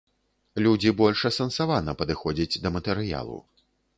Людзі больш асэнсавана падыходзяць да матэрыялу.